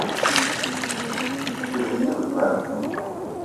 G-beu gne va.